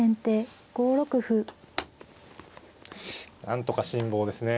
なんとか辛抱ですね